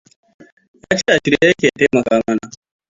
Ya ce a shirye yake ya taimaka mana.